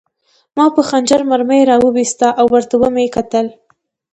ما په خنجر مرمۍ را وویسته او ورته مې وکتل